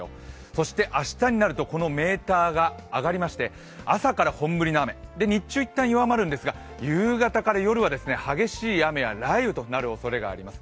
そして明日になるとこのメーターが上がりまして朝から本降りの雨日中一旦弱まるんですが、夕方から夜は激しい雨や雷雨となるおそれがあります。